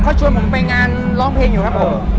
เขาชวนผมไปงานร้องเพลงอยู่ครับผม